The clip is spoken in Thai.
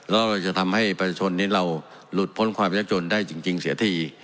แล้วเราจะทำให้ภาคโตชนในเราหลุดผมความยากจนได้จริงเสียที่